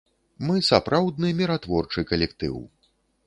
Мы сапраўдны міратворчы калектыў.